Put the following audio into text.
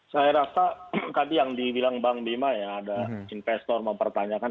saya rasa tadi yang dibilang bang bima ya ada investor mempertanyakan